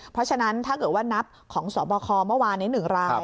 เพราะฉะนั้นถ้าเกิดว่านับของสบคเมื่อวานนี้๑ราย